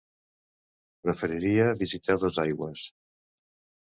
Preferiria visitar Dosaigües.